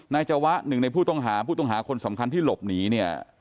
จวะหนึ่งในผู้ต้องหาผู้ต้องหาคนสำคัญที่หลบหนีเนี่ย